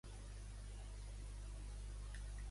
No pretenc convèncer-vos de res.